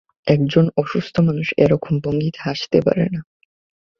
একজন অসুস্থ মানুষ এরকম ভঙ্গিতে হাসতে পারে না।